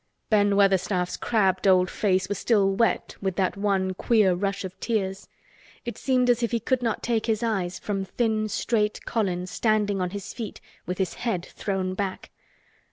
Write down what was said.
Ben Weatherstaff's crabbed old face was still wet with that one queer rush of tears. It seemed as if he could not take his eyes from thin straight Colin standing on his feet with his head thrown back.